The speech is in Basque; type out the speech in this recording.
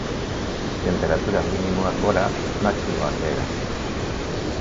Tenperatura minimoak gora, maximoak behera.